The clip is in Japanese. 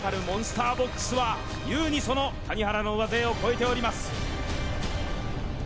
モンスターボックスは優にその谷原の上背を超えております